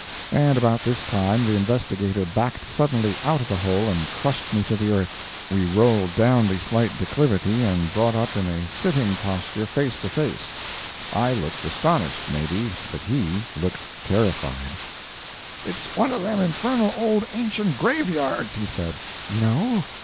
And about this time the investigator backed suddenly out of the hole and crushed me to the earth. We rolled down the slight declivity and brought up in a sitting posture face to face. I looked astonished, maybe, but he looked terrified. "It's one of them infernal old ancient graveyards!" he said. "No?